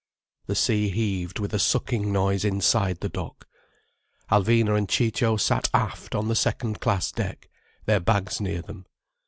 The sea heaved with a sucking noise inside the dock. Alvina and Ciccio sat aft on the second class deck, their bags near them.